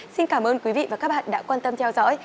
xin cảm ơn quý vị và các bạn đã quan tâm theo dõi